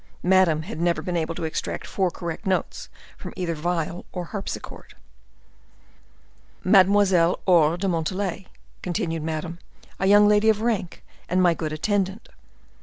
Madame had never been able to extract four correct notes from either viol or harpsichord. "Mademoiselle Aure de Montalais," continued Madame; "a young lady of rank, and my good attendant."